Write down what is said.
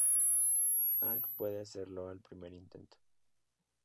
Aang puede hacerlo al primer intento.